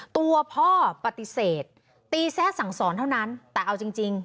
ตัวพ่อปฏิเสธตีแทรกสั่งสอนเท่านั้นแต่เอาจริง